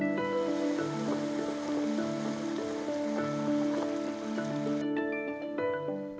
dan kembali ke kota teguh